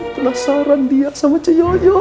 penasaran dia sama cik yoyok